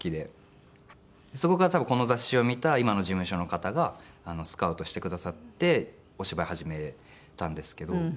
そこから多分この雑誌を見た今の事務所の方がスカウトしてくださってお芝居始めたんですけど。